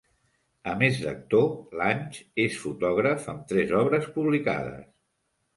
A més d'actor, Lange és fotògraf amb tres obres publicades.